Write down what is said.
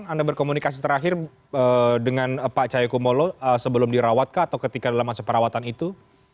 anda berkomunikasi terakhir dengan pak cahyokumolo sebelum dirawatkah atau ketika dalam masa perawatan itu